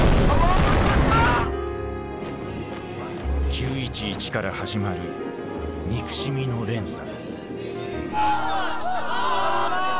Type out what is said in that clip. ９．１１から始まる憎しみの連鎖。